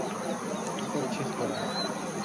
কি করছিস তোরা?